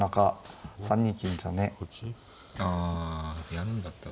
やるんだったら。